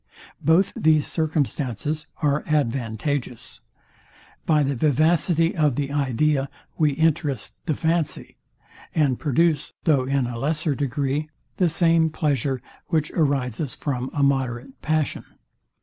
Both these circumstances are advantageous. By the vivacity of the idea we interest the fancy, and produce, though in a lesser degree, the same pleasure, which arises from a moderate passion.